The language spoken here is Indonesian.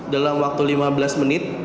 dalam waktu lima belas menit